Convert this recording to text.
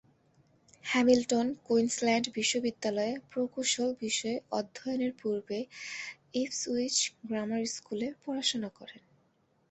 Hamilton Queensland বিশ্ববিদ্যালয়ে প্রকৌশল বিষয়ে অধ্যয়নের পূর্বে ইপসউইচ গ্রামার স্কুলে পড়াশোনা করেন।